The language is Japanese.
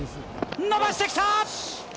延ばしてきた！